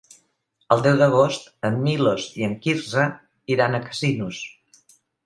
El deu d'agost en Milos i en Quirze iran a Casinos.